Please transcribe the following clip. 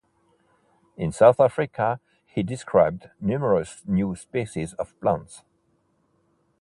In South America he described numerous new species of plants.